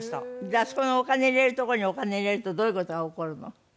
あそこのお金入れる所にお金入れるとどういう事が起こるの？